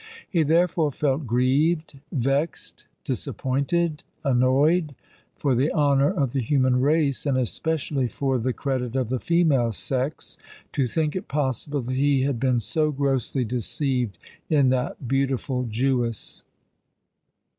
He therefore felt grieved—vexed—disappointed—annoyed, for the honour of the human race, and especially for the credit of the female sex, to think it possible that he had been so grossly deceived in that beautiful Jewess.